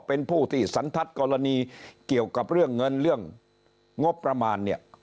เป็นผู้ที่สันทัศน์กรณีเกี่ยวกับเรื่องเงินเรื่องงบประมาณเนี่ย